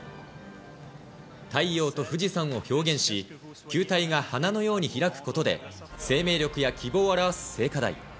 太陽と富士山を表現し、球体が花のように開くことで、生命力や希望を表す聖火台。